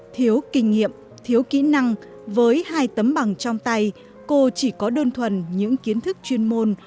thiếu kinh nghiệm thiếu kỹ năng với hai tấm bằng trong tay cô chỉ có đơn thuần những kiến thức chuyên môn